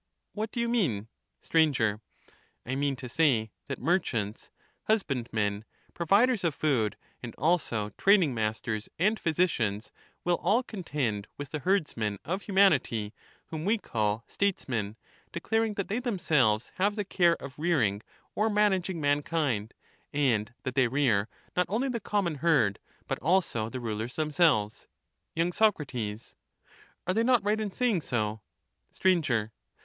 What do you mean ? Sir. I mean to say that merchants, husbandmen, providers The king. of food, and also training masters and physicians, will all h^j^^en^ contend with the herdsmen of humanity, whom we call has many Statesmen, declaring that they themselves have the care of jj^;7^° 268 rearing or managing mankind, and that they rear not only his claims the common herd, but also the rulers themselves. ^°*®' manage* y. Soc. Are they not right in saying so ? ment of Str.